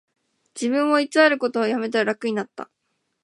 自分を偽ることをやめたら楽になった